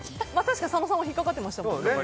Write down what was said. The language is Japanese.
確かに佐野さんも引っかかってましたね。